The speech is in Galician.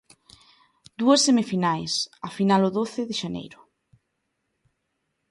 Dúas semifinais, a final o doce de xaneiro.